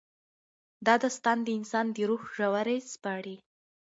دا داستان د انسان د روح ژورې سپړي.